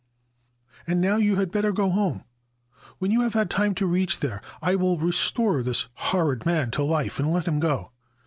And now you had better go home. When you have had time to reach there I will restore this horrid man to life and let him go.